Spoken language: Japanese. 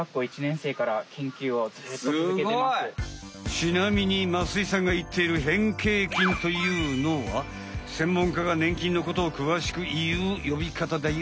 ちなみに増井さんがいっている変形菌というのはせんもんかがねん菌のことをくわしくいう呼びかただよ。